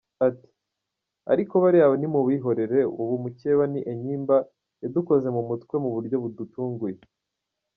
Ati “Ariko bariya nimubihorere, ubu mukeba ni Enyimba yadukoze mu mutwe mu buryo budutunguye.”